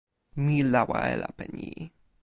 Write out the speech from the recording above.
mi lawa e lape ni.